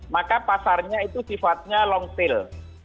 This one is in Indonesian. maka pasarnya itu sifatnya long sale